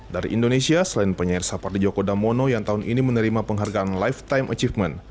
dari indonesia selain penyelenggaraan di joko damwono yang tahun ini menerima penghargaan lifetime achievement